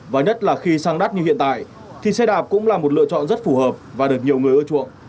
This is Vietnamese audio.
và nhất là khi sang đắt như hiện tại thì xe đạp cũng là một lựa chọn rất phù hợp và được nhiều người ưa chuộng